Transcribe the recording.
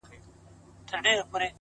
نه پوهېږم د دې کيف له برکته’